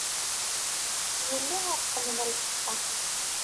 Yelli a ṛqem n lfeṭṭa.